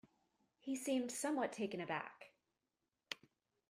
He seemed somewhat taken aback.